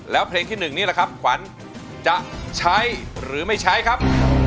แล้วเพลงที่๑นี่แหละครับขวัญจะใช้หรือไม่ใช้ครับ